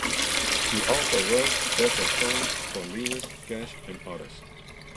He also wrote several songs for Lewis, Cash, and others.